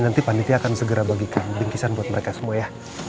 nanti panitia akan segera bagikan bingkisan buat mereka semua ya